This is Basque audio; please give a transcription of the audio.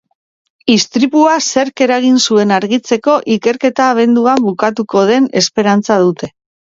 Istripua zerk eragin zuen argitzeko ikerketa abenduan bukatuko den esperantza dute.